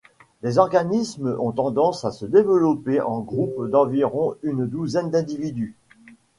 Les organismes ont tendance à se développer en groupes d'environ une douzaine d'individus.